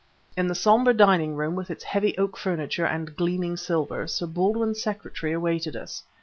In the somber dining room with its heavy oak furniture and gleaming silver, Sir Baldwin's secretary awaited us.